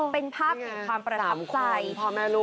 เป็นภาพถึงความประจำใจ